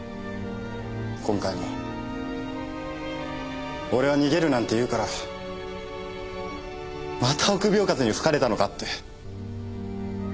今回も俺は逃げるなんて言うからまた臆病風に吹かれたのかって。